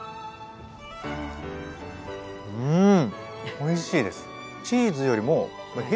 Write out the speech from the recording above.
うんおいしいです。